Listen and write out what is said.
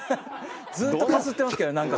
ずっとかすってますけど。